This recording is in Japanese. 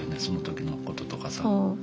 その時のこととかさ。